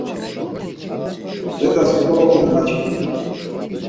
Let̆as kodoloxt̆u nanaşkimi.